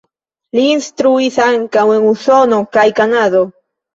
Li instruis ankaŭ en Usono kaj Kanado.